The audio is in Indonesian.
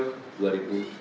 pertanyaan lain boleh pak